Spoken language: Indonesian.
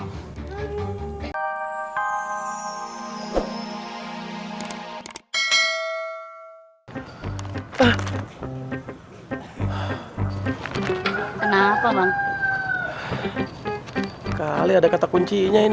kenapa bang kali ada kata kuncinya ini